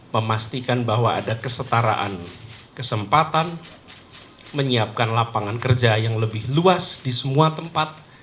memastikan bahwa ada kesetaraan kesempatan menyiapkan lapangan kerja yang lebih luas di semua tempat